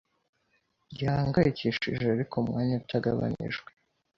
gihangayikishije Ariko umwanya utagabanijwe